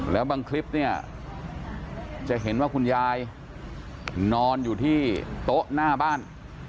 แล้วบางคลิปเนี่ยจะเห็นว่าคุณยายนอนอยู่ที่โต๊ะหน้าบ้าน